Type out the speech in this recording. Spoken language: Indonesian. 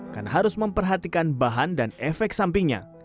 karena harus memperhatikan bahan dan efek sampingnya